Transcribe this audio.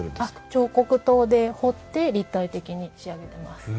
彫刻刀で彫って立体的に仕上げてます。